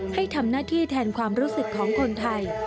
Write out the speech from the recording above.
ให้ทำหน้าที่แทนความรู้สึกของคนไทย